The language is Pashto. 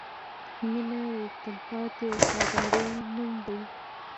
• مینه د تلپاتې وفادارۍ نوم دی.